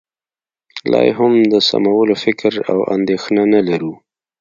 لا یې هم د سمولو فکر او اندېښنه نه لرو